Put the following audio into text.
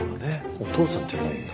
お父さんじゃないんだ。